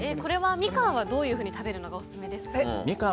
ミカンはどういうふうに食べるのがオススメですか？